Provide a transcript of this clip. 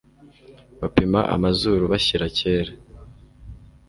Bapima amazuru bashyira kera